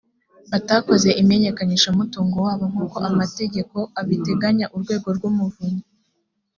batakoze imenyekanishamutungo wabo nk uko amategeko abiteganya urwego rw umuvunyi